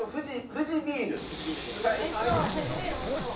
富士ビール美味しそう。